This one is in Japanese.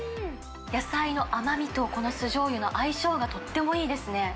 野菜の甘みとこの酢じょうゆの相性がとってもいいですね。